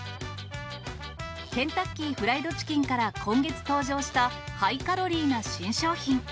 ケンタッキー・フライド・チキンから今月登場したハイカロリーな新商品。